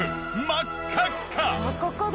真っ赤っかだ。